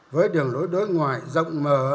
với đường lối đối ngoài rộng mở